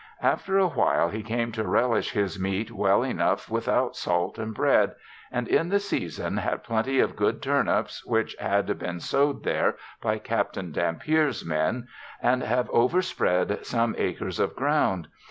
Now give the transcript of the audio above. After a while he came to relish his meat well enough without salt and bread, and in the season had plenty of good turnips which had been sow'd there by Captain Dampier's men, and have overspread some acres of ground.